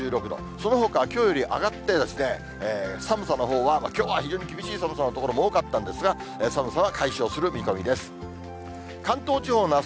そのほかはきょうより上がって、寒さのほうは、きょうは非常に厳しい寒さの所も多かったんですが、寒さは解消する見込みです。